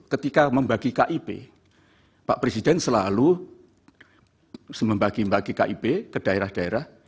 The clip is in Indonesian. ketika membagi kip pak presiden selalu membagi bagi kip ke daerah daerah